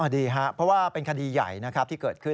ดีค่ะเพราะว่าเป็นข้ดีใหญ่ที่เกิดขึ้น